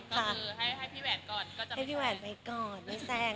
ก็คือให้พี่แหวนก่อนก็จะไม่สร้าง